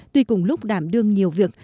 tuy cùng lúc đảm đương nhiều việc